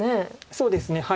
そうですね。